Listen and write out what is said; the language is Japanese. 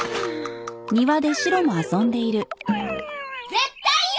絶対よ！！